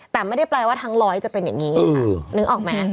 แต่ไม่ได้แปลว่าทั้งร้อยจะเป็นอย่างนี้นึกออกไหม